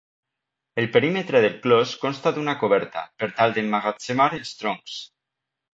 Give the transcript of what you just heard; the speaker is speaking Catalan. El perímetre del clos consta d'una coberta per tal d'emmagatzemar els troncs.